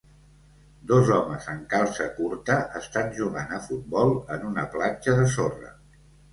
Dos homes en calça curta estan jugant a futbol en una platja de sorra